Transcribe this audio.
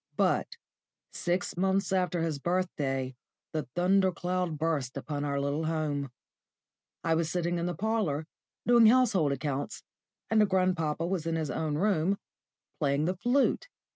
But six months after his birthday the thunder cloud burst upon our little home. I was sitting in the parlour, doing household accounts, and grandpapa was in his own room, playing the flute.